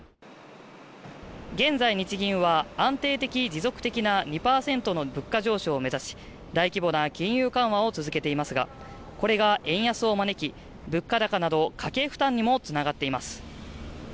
現在、日銀は安定的・持続的な２％の物価上昇を目指し大規模な金融緩和を続けていますがこれが円安を招き物価高など家計負担にもつながっています